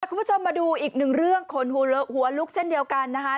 คุณผู้ชมมาดูอีกหนึ่งเรื่องขนหัวลุกเช่นเดียวกันนะคะ